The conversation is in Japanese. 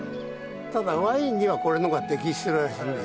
ただワインにはこれの方が適してるらしいんで。